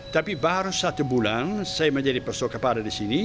tapi baru satu bulan saya menjadi peso kepala di sini